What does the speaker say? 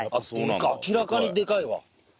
明らかにでかいわ。